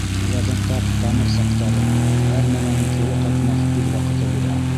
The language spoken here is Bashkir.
Уларҙың тап тамыр саҡтары, һәр нәмәнең кире ҡайтмаҫ үҙ ваҡыты була.